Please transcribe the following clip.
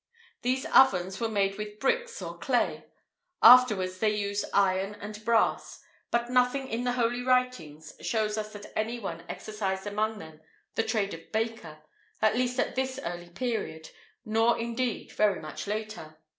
[IV 16] These ovens were made with bricks or clay; afterwards they used iron and brass;[IV 17] but nothing in the Holy Writings shows us that any one exercised among them the trade of a baker, at least at this early period, nor, indeed, very much later.